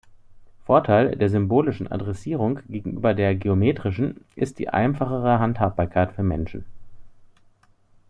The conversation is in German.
Vorteil der symbolischen Adressierung gegenüber der geometrischen ist die einfachere Handhabbarkeit für Menschen.